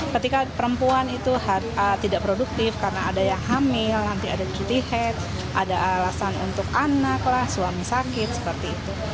ketika perempuan itu tidak produktif karena ada yang hamil nanti ada cuti head ada alasan untuk anak lah suami sakit seperti itu